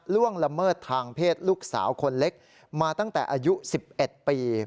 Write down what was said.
ล่วงละเมิดทางเพศลูกสาวคนเล็กมาตั้งแต่อายุ๑๑ปี